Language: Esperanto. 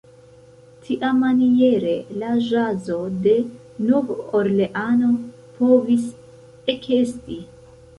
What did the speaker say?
Tiamaniere la ĵazo de Nov-Orleano povis ekesti.